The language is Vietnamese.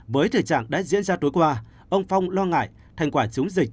với thể trạng đã diễn ra tối qua ông phong lo ngại thành quả chống dịch